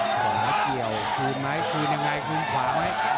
ของนักเกี่ยวคุณไหมคุณยังไงคุณขวาไหม